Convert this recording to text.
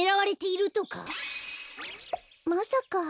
まさか。